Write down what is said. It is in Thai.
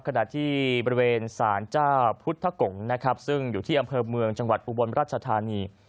ขณะที่บริเวณสารเจ้าพุทธกงนะครับซึ่งอยู่ที่อำเภอเมืองจังหวัดอุบลราชธานี